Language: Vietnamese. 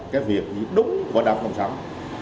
cái việc đúng của đảng cộng sản